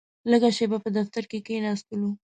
لږه شېبه په دفتر کې کښېناستلو.